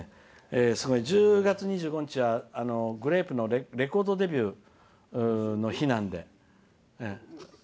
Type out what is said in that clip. １０月２５日はグレープのレコードデビューの日なんで。